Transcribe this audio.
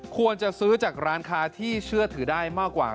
ควรจะซื้อจากร้านค้าที่เชื่อถือได้มากกว่า